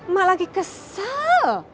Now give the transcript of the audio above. mak lagi kesel